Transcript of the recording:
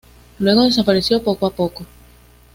Luego desapareció poco a poco.